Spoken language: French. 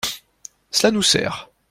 Cela nous sert.